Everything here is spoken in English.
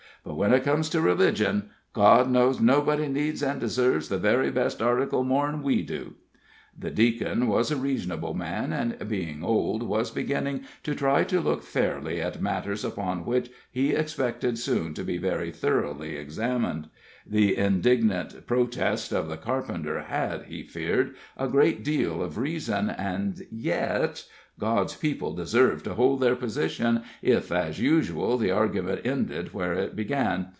But when it comes to religion God knows nobody needs an' deserves the very best article more 'n we do." The Deacon was a reasonable man, and being old, was beginning to try to look fairly at matters upon which he expected soon to be very thoroughly examined. The indignant protest of the carpenter had, he feared, a great deal of reason, and yet God's people deserved to hold their position, if, as usual, the argument ended where it began.